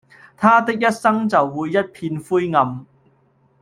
他的人生就會一片灰暗